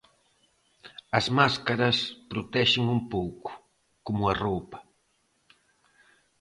As máscaras protexen un pouco, como a roupa.